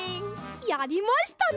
やりましたね！